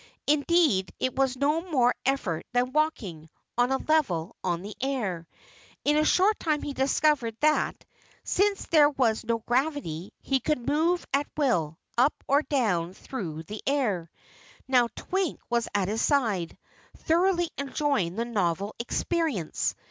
Indeed, it was no more effort than walking on a level on the air. In a short time he discovered that, since there was no gravity, he could move at will, up or down through the air. Now Twink was at his side, thoroughly enjoying the novel experience.